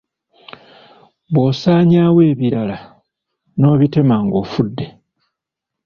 Bw’osaanyaawo ebibira n’obitema ng’ofudde.